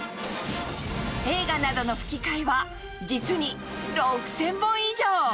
映画などの吹き替えは、実に６０００本以上。